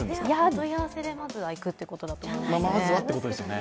問い合わせてまずは行くということだと思いますね。